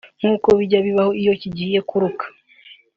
nkuko bijya bibaho iyo kigiye kuruka